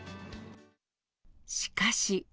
しかし。